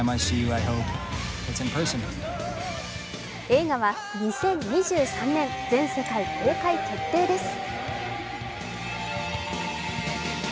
映画は２０２３年、全世界公開決定です。